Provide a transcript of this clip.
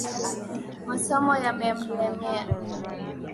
Masomo yamemlemea